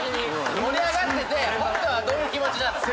盛り上がってて北斗はどういう気持ちなの？